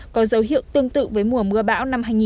có dấu hiệu tương tự với mùa mưa bão năm hai nghìn hai mươi